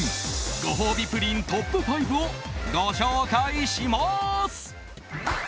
ご褒美プリントップ５をご紹介します！